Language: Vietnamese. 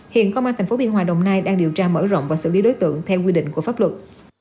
hiện công an tp biên hòa đồng nai đang điều tra mở rộng và xử lý đối tượng theo quy định của pháp luật